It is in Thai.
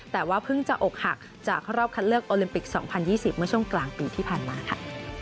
แต่ว่าเพิ่งจะอกหักจากรอบคัดเลือกโอลิมปิก๒๐๒๐เมื่อช่วงกลางปีที่ผ่านมาค่ะ